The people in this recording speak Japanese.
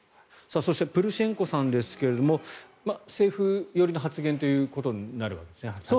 そしてプルシェンコさんですが政府寄りの発言ということになるわけですね。